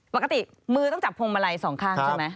ปกติมือต้องจับพวงมาลัยสองข้างใช่ไหม